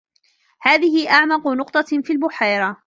هذه أعمق نقطة في البحيرة.